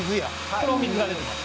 これはお水が出てます。